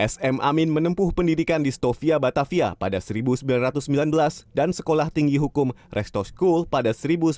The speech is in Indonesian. sm amin menempuh pendidikan di stovia batavia pada seribu sembilan ratus sembilan belas dan sekolah tinggi hukum resto school pada seribu sembilan ratus sembilan puluh